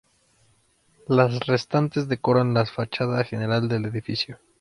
Las restantes decoran la fachada general del edificio.